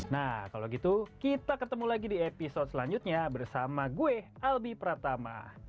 nah kalau gitu kita ketemu lagi di episode selanjutnya bersama gue albi pratama